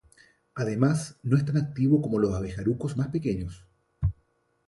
Además no es tan activo como los abejarucos más pequeños.